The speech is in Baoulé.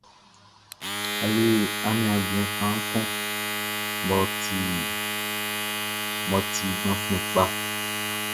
A le aniaan bian kaan kun mʼɔ ti klanman kpaʼn.